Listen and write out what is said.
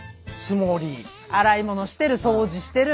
洗い物してる掃除してる。